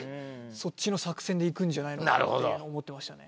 そっちの作戦でいくんじゃないのかなっていうのを思ってましたね